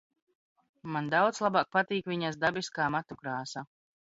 Man daudz labāk patīk viņas dabiskā matu krāsa.